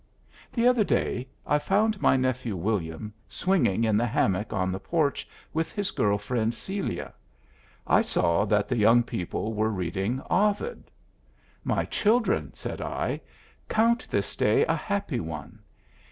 The other day I found my nephew William swinging in the hammock on the porch with his girl friend Celia; I saw that the young people were reading Ovid. "My children," said I, "count this day a happy one.